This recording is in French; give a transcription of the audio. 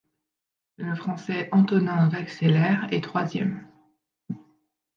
Le Français Antonin Vaxelaire est troisième.